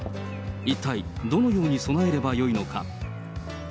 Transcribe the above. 一体どのように備えればよいのか。